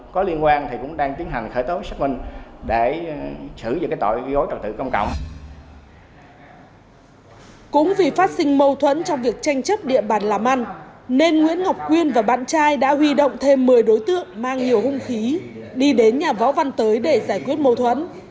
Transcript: cũng vì phát sinh mâu thuẫn trong việc tranh chấp địa bàn làm ăn nên nguyễn ngọc quyên và bạn trai đã huy động thêm một mươi đối tượng mang nhiều hung khí đi đến nhà võ văn tới để giải quyết mâu thuẫn